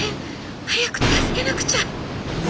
早く助けなくちゃ！」。